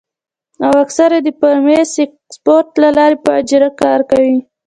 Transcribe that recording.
او اکثر د پرائمري سايکوپېت له پاره پۀ اجرت کار کوي